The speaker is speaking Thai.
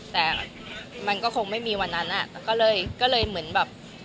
แต่มันก็คงไม่มีวันนั้นอ่ะแต่ก็เลยก็เลยเหมือนแบบ